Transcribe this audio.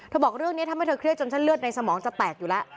บอกเรื่องนี้ทำให้เธอเครียดจนเส้นเลือดในสมองจะแตกอยู่แล้ว